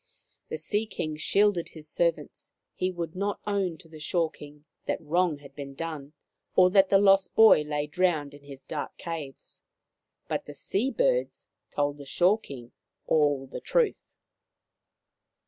The Sea King shielded his servants ; he would not own to the Shore King that wrong had been done, or that the lost boy lay drowned in his dark caves ; but the sea birds told the Shore King all the truth.